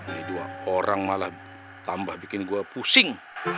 ini dua orang malah tambah bikin gue pusing